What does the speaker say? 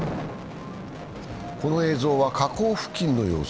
この映像は火口付近の様子。